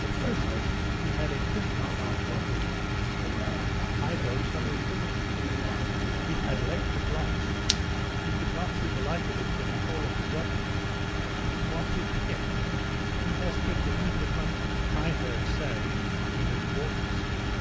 At Christmas he had a Christmas tree in the big house. I drove some of the visitors there. It had 'lectric lights; you could not see the like of it in the whole of the government. What's it to him, he has cribbed a heap of money. I heard say he has bought an estate."